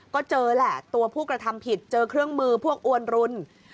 ก็เจอแหละตัวผู้กระทำผิดเจอเครื่องมือพวกอวนรุน